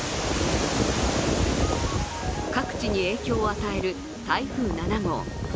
各地に影響を与える台風７号。